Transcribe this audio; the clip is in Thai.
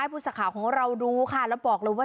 ให้พุทธสาขาของเราดูค่ะแล้วบอกเลยว่า